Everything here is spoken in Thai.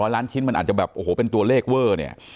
ล้านชิ้นมันอาจจะแบบโอ้โหเป็นตัวเลขเวอร์เนี่ย